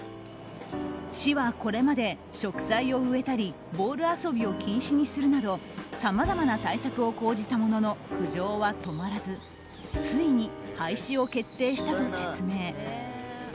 市はこれまで、植栽を植えたりボール遊びを禁止にするなどさまざまな対策を講じたものの苦情は止まらずついに廃止を決定したと説明。